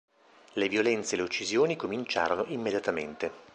Le violenze e le uccisioni cominciarono immediatamente.